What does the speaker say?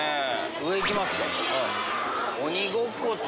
上行きますか。